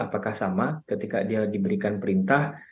apakah sama ketika dia diberikan perintah